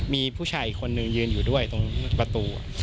มีผู้ชายอีกคนนึงยืนอยู่ด้วยตรงประตู